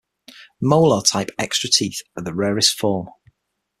Molar-type extra teeth are the rarest form.